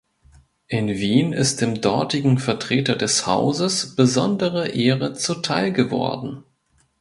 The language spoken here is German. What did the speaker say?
In Wien ist dem dortigen Vertreter des Hauses besondere Ehre zuteilgeworden.